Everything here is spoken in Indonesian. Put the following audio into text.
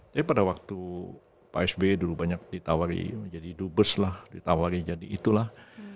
tapi pada waktu pak sby dulu banyak ditawari menjadi dubes lah ditawari jadi itulah